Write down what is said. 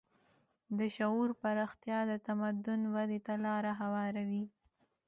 د شعور پراختیا د تمدن ودې ته لاره هواروي.